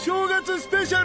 スペシャル